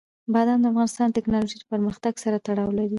بادام د افغانستان د تکنالوژۍ له پرمختګ سره تړاو لري.